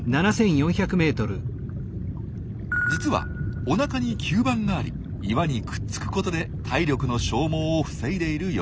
実はおなかに吸盤があり岩にくっつくことで体力の消耗を防いでいる様子。